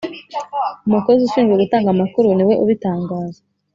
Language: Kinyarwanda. Umukozi ushinzwe gutanga amakuru ni we ubitangaza